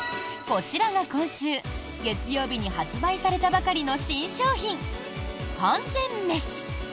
こちらが今週月曜日に発売されたばかりの新商品完全メシ。